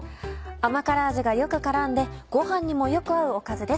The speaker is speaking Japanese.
甘辛味がよく絡んでご飯にもよく合うおかずです。